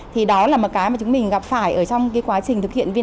thì đó là một cái mà chúng mình gặp phải trong quá trình thực hiện vnen